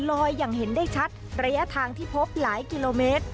อย่างเห็นได้ชัดระยะทางที่พบหลายกิโลเมตร